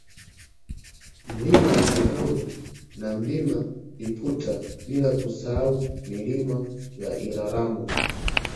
Mlima Ipungulu na Mlima Iputa bila kusahau Milima ya Iraramo